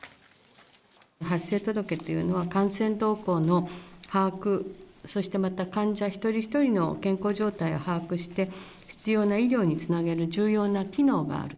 発生届というのは感染動向の把握、そしてまた患者一人一人の健康状態を把握して、必要な医療につなげる重要な機能がある。